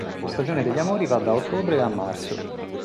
La stagione degli amori va da ottobre a marzo.